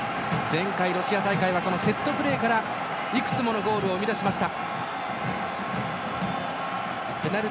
前回、ロシア大会はこのセットプレーからいくつものゴールを生み出しました。